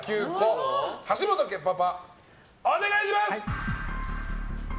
橋本家パパ、お願いします。